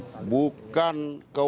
tapi kalau legal kan itu tidak berlaku